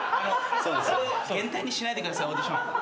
これ減点にしないでくださいオーディション。